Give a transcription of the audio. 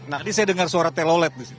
tadi saya dengar suara telolet disini